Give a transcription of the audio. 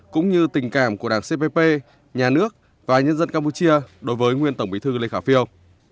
cũng như tình cảm của đảng cpp nhà nước và nhân dân campuchia đối với nguyên tổng bí thư lê khả phiêu